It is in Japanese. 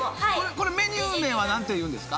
これメニュー名は何ていうんですか？